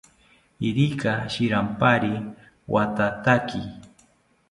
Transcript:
Irika shirampari wathataki